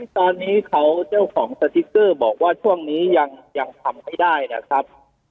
ตอนนี้เขาเจ้าของสติ๊กเกอร์บอกว่าช่วงนี้ยังทำไม่ได้นะครับ